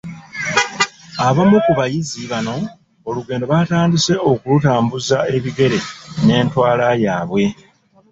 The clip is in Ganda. Abamu ku bayizi bano olugendo batandise okulutambuza ebigere n’entwala yaabwe.